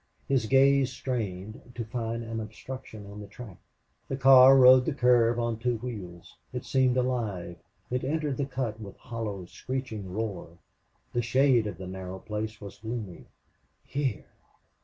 His gaze strained to find an obstruction on the track. The car rode the curve on two wheels. It seemed alive. It entered the cut with hollow, screeching roar. The shade of the narrow place was gloomy. Here!